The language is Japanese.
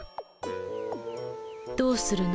どうするの？